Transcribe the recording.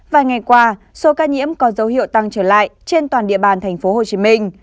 vài ngày qua số ca nhiễm có dấu hiệu tăng trở lại trên toàn địa bàn tp hcm